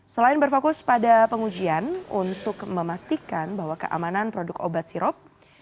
selain berfokus pada pengujian untuk memastikan bahwa keamanan produk obat sirop